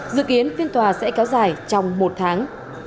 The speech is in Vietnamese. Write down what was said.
dự kiến phiên tòa sẽ kéo dài trong một tháng